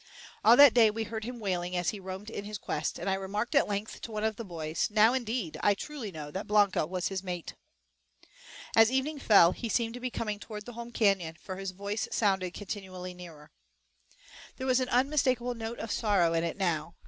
All that day we heard him wailing as he roamed in his quest, and I remarked at length to one of the boys, "Now, indeed, I truly know that Blanca was his mate." As evening fell he seemed to be coming toward the home canyon, for his voice sounded continually nearer. There was an unmistakable note of sorrow in it now.